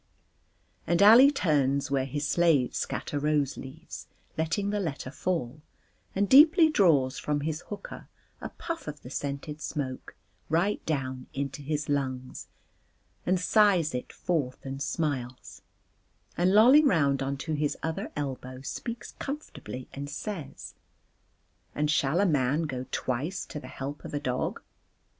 And Ali turns where his slaves scatter rose leaves, letting the letter fall, and deeply draws from his hookah a puff of the scented smoke, right down into his lungs, and sighs it forth and smiles, and lolling round on to his other elbow speaks comfortably and says, "And shall a man go twice to the help of a dog?"